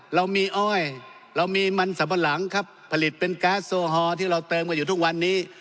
เรามีอ้อยเรามีมันสัมปะหลังครับผลิตเป็นแก๊สโซฮอลที่เราเติมกันอยู่ทุกวันนี้